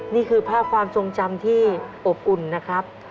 นี่คือภาพความทรงจำที่อบอุ่นนะครับ